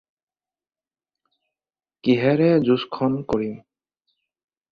কিহেৰে যুজখন কৰিম?